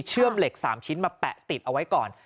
เหล็ก๓ชิ้นมาแปะติดเอาไว้ก่อน